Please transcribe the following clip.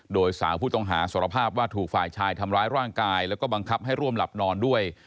โดยสาวผู้ต้องหาสารภาพว่าถูกฝ่ายชายทำร้ายร่างกายแล้วก็บังคับให้ร่วมหลับนอนด้วย